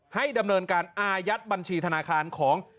ให้ดำเนินการอายัดบัญชีธนาคารของ